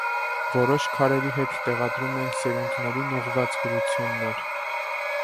Որոշ քարերի հետ տեղադրում են սերունդներին ուղղված գրություններ։